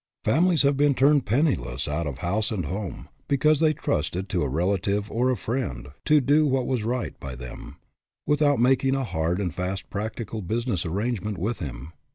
Families have been turned, penniless, out of house and home, because they trusted to a relative or a friend to " do what was right " by them, without making a hard and fast, practical business arrangement with him.